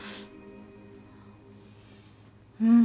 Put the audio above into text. うん！